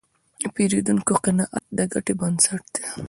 د پیرودونکي قناعت د ګټې بنسټ دی.